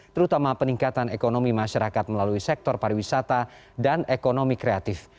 terutama peningkatan ekonomi masyarakat melalui sektor pariwisata dan ekonomi kreatif